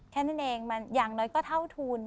แค่นั้นเองอย่างน้อยก็เท่าทุน